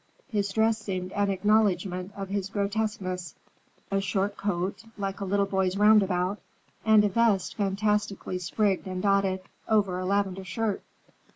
His dress seemed an acknowledgment of his grotesqueness: a short coat, like a little boys' roundabout, and a vest fantastically sprigged and dotted, over a lavender shirt.